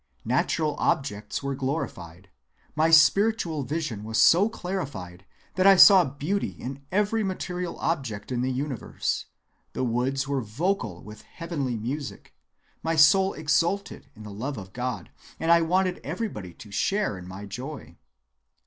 Natural objects were glorified, my spiritual vision was so clarified that I saw beauty in every material object in the universe, the woods were vocal with heavenly music; my soul exulted in the love of God, and I wanted everybody to share in my joy."